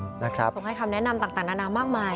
ส่งให้คำแนะนำต่างนานามากมาย